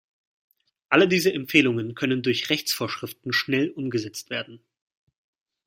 Alle diese Empfehlungen können durch Rechtsvorschriften schnell umgesetzt werden.